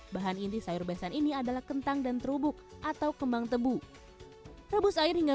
bahan inti sayur besan ini adalah kentang dan terubuk atau kembang tebu rebus air hingga